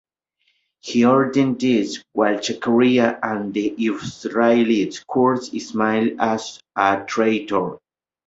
He orders this, while Zaccaria and the Israelites curse Ismaele as a traitor.